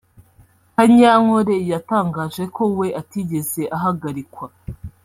Kanyankore yatangaje ko we atigeze ahagarikwa